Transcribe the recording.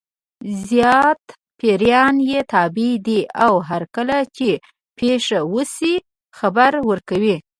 زیات پیریان یې تابع دي او هرکله چې پېښه وشي خبر ورکوي.